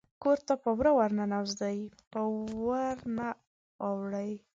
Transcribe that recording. کور ته په وره ورننوزي په ور نه اوړي